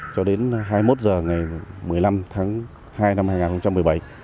cho đến hai mươi một h ngày một mươi năm tháng hai năm hai nghìn một mươi bảy